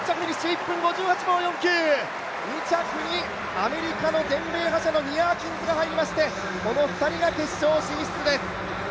１分５８秒４９、２着にアメリカの全米覇者、ニア・アキンズが入りましてこの２人が決勝進出です。